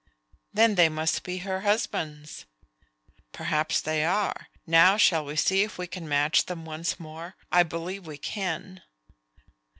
"Then they must be her husband's." "Perhaps they are. Now shall we see if we can match them once more? I believe we can."